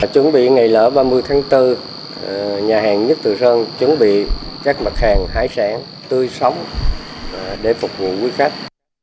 chuẩn bị ngày lễ ba mươi tháng bốn nhà hàng nhất từ sơn chuẩn bị các mặt hàng hải sản tươi sống để phục vụ quý khách